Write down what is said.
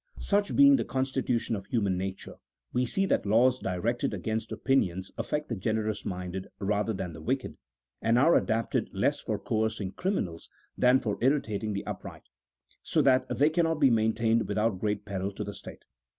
Such being the constitution of human nature, we see that laws directed against opinions affect the generous minded rather than the wicked, and are adapted less for coercing criminals than for irritating the upright; so that they cannot be maintained without great peril to the state.